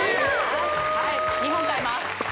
すごいはい２本買います